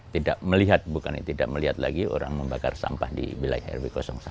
tidak melihat bukan tidak melihat lagi orang membakar sampah di wilayah rw satu